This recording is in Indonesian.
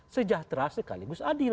sejahtera sekaligus adil